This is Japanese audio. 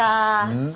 うん？